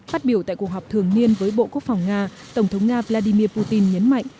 phát biểu tại cuộc họp thường niên với bộ quốc phòng nga tổng thống nga vladimir putin nhấn mạnh